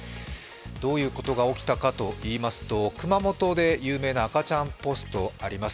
どういうことが起きたかといいますと、熊本で有名な赤ちゃんポストがあります。